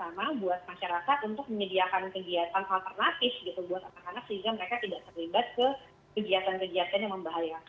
buat anak anak sehingga mereka tidak terlibat ke kegiatan kegiatan yang membahayakan